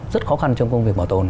rất khó khăn trong công việc bảo tồn